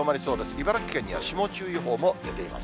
茨城県には霜注意報も出ています。